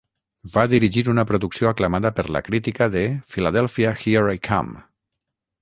Va dirigir una producció aclamada per la crítica de "Philadelphia Here I Come!".